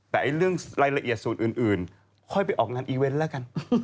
แต่เรื่องรายละเอียดสูตรอื่นค่อยไปออกงานอีเวนต์แล้วกัน